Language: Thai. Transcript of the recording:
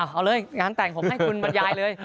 เอาเลยงานแต่งผมให้คุณบรรยายเลย